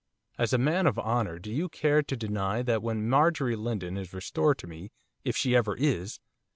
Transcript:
As a man of honour do you care to deny that when Marjorie Lindon is restored to me, if she ever is!